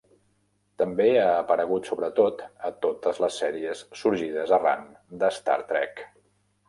També ha aparegut, sobretot, a totes les sèries sorgides arran d'"Star Trek".